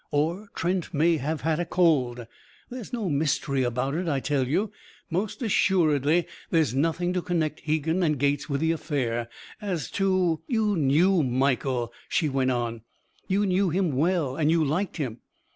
Or Trent may have had a cold. There's no mystery about it, I tell you. Most assuredly there's nothing to connect Hegan and Gates with the affair. As to " "You knew Michael," she went on. "You knew him well and you liked him.